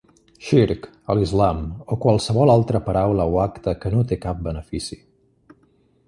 Shirk, a l'Islam, o qualsevol altre paraula o acte que no té cap benefici.